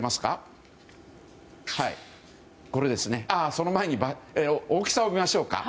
その前に大きさを見ましょうか。